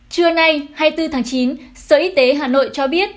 trưa nay hai mươi bốn tháng chín sở y tế hà nội cho biết